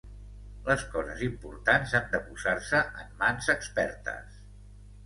Les coses importants han de posar-se en mans expertes.